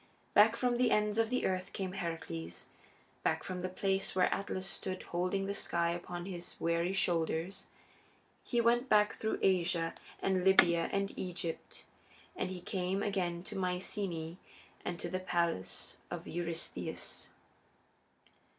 Back from the ends of the earth came Heracles, back from the place where Atlas stood holding the sky upon his weary shoulders. He went back through Asia and Libya and Egypt, and he came again to Myceaæ and to the palace of Eurystheus.